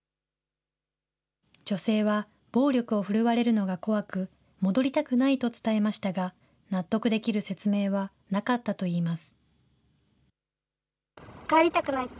女性は暴力を振るわれるのが怖く、戻りたくないと伝えましたが、納得できる説明はなかったといいます。